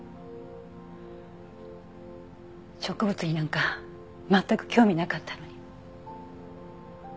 植物になんか全く興味なかったのに。